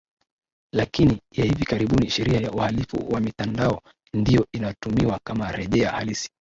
lakini ya hivi karibuni Sheria ya Uhalifu wa Mitandao ndiyo inatumiwa kama rejea halisi